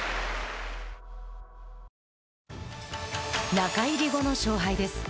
中入り後の勝敗です。